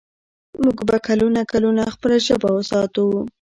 موږ به کلونه کلونه خپله ژبه ساتو.